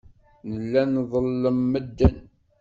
Nella nḍellem medden.